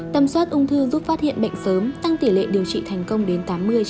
tầm soát ung thư giúp phát hiện bệnh sớm tăng tỷ lệ điều trị thành công đến tám mươi chín mươi